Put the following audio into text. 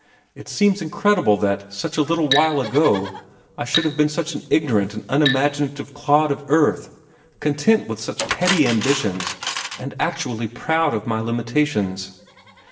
It seems incredible that, such a little while ago, I should have been such an ignorant and unimaginative clod of earth, content with such petty ambitions and actually proud of my limitations."